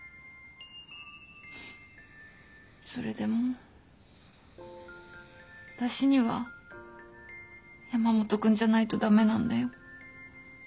それでも私には山本君じゃないと駄目なんだよ。